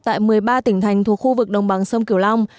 tại một mươi ba tỉnh thành thuộc khu vực đồng bằng sông kiều long